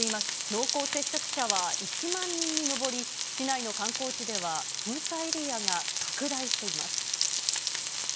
濃厚接触者は１万人に上り、市内の観光地では、封鎖エリアが拡大しています。